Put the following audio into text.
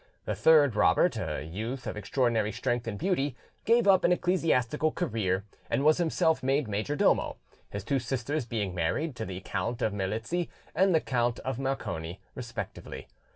The third, Robert, a youth of extraordinary strength and beauty, gave up an ecclesiastical career, and was himself made major domo, his two sisters being married to the Count of Merlizzi and the Count of Morcone respectively.